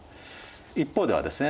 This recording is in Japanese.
一方ではですね